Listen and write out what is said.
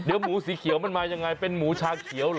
เดี๋ยวหมูสีเขียวมันมายังไงเป็นหมูชาเขียวเหรอ